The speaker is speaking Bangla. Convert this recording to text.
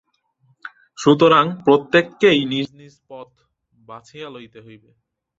সুতরাং প্রত্যেককেই নিজ নিজ পথ বাছিয়া লইতে হইবে।